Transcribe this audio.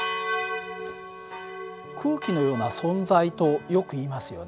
空気のような存在とよくいいますよね。